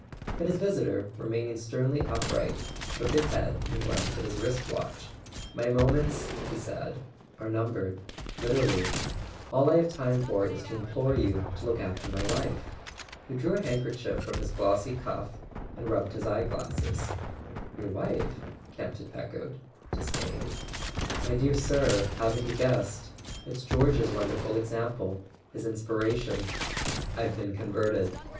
But his visitor, remaining sternly upright, shook his head and glanced at his wrist watch. "My moments,"he said, "are numbered—literally; all I have time for is to implore you to look after my wife." He drew a handker¬ chief from his glossy cuff, and rubbed his eye glasses. [ 395 ] A SON AT THE FRONT "Your wife?" Campton echoed, dismayed. "My dear sir, haven't you guessed? It's George's wonderful example ... his inspiration. .. I've been converted!